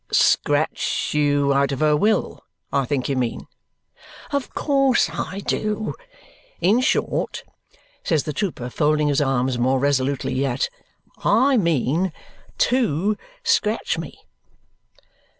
"Scratch you out of her will, I think you mean?" "Of course I do. In short," says the trooper, folding his arms more resolutely yet, "I mean TO scratch me!"